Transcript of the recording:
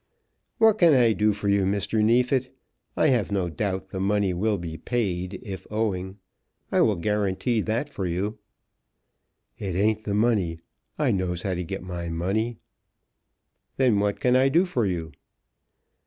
"What can I do for you, Mr. Neefit? I have no doubt the money will be paid, if owing. I will guarantee that for you." "It ain't the money. I knows how to get my money." "Then what can I do for you?"